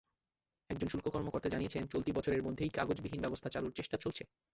একজন শুল্ক কর্মকর্তা জানিয়েছেন, চলতি বছরের মধ্যেই কাগজবিহীন ব্যবস্থা চালুর চেষ্টা চলছে।